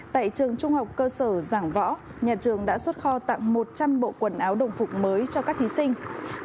tại trường trung học cơ sở giảng võ nhà trường đã xuất kho tặng một trăm linh bộ quần áo đồng phục mới cho các thí sinh